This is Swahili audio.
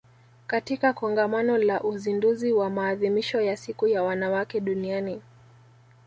katika Kongamano la Uzinduzi wa Maadhimisho ya Siku ya Wanawake Duniani